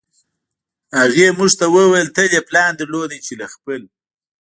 هغې موږ ته وویل تل یې پلان درلود چې له خپل